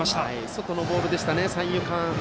外のボールでしたね三遊間。